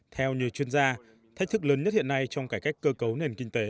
theo nhiều chuyên gia thách thức lớn nhất hiện nay trong cải cách cơ cấu nền kinh tế